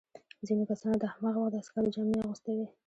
ځینو کسانو د هماغه وخت د عسکرو جامې اغوستي وې.